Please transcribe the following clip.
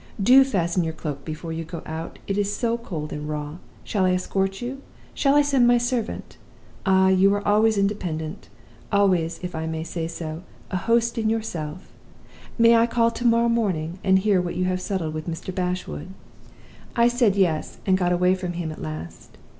Do fasten your cloak before you go out, it is so cold and raw! Shall I escort you? Shall I send my servant? Ah, you were always independent! always, if I may say so, a host in yourself! May I call to morrow morning, and hear what you have settled with Mr. Bashwood?' "I said yes, and got away from him at last.